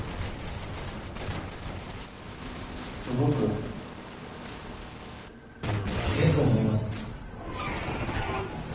すごくええと思います。